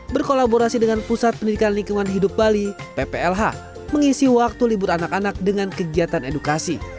berkolaborasi dengan pusat pendidikan lingkungan hidup bali pplh mengisi waktu libur anak anak dengan kegiatan edukasi